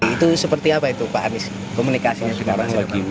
itu seperti apa itu pak anies komunikasinya sekarang